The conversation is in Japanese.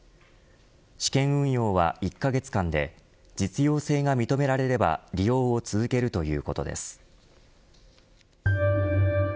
試験運用は、１カ月間で実用性が認められれば利用を続けるということです。